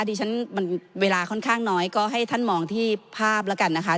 ดิฉันมันเวลาค่อนข้างน้อยก็ให้ท่านมองที่ภาพแล้วกันนะคะ